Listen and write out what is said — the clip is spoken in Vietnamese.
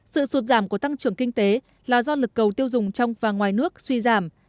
sự sụt giảm của tăng trưởng kinh tế là do lực cầu tiêu dùng trong và ngoài nước suy giảm